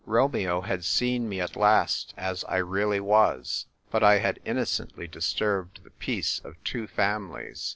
Romeo had seen me at last as I really was. But I had innocently disturbed the peace of two families.